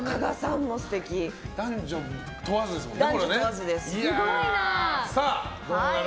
男女問わずですもんね。